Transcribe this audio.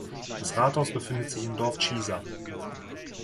Das Rathaus befindet sich im Dorf Chiesa.